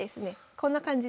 こんな感じで。